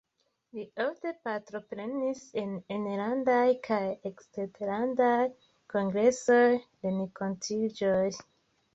Li ofte partoprenis en enlandaj kaj eksterlandaj kongresoj, renkontiĝoj.